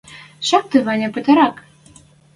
Шакты, Ваня, пытырак!